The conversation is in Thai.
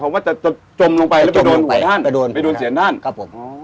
เขาว่าจะจมลงไปแล้วไปโดนหัวท่านไปโดนเสียงท่านครับผมอ๋อ